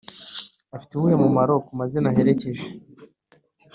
afite uwuhe mumaro ku mazina aherekeje?